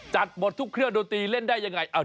จัดหมดทุกเครื่องดูตีเล่นได้อย่างไร